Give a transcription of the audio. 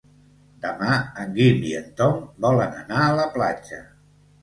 Demà en Guim i en Tom volen anar a la platja.